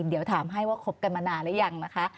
เดี๋ยวถามให้ว่าคบกันมานานหรือยังนะคะ